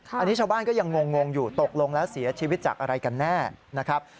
อันนี้ชาวบ้านก็ยังงงอยู่ตกลงแล้วเสียชีวิตจากอะไรกันแน่นะครับ